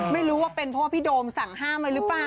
ไม่รู้ว่าเป็นเพราะว่าพี่โดมสั่งห้ามไว้หรือเปล่า